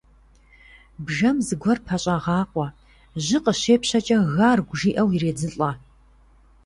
Бжэм зыгуэр пэщӏэгъакъуэ, жьы къыщепщэкӏэ, «гаргу» жиӏэу иредзылӏэ.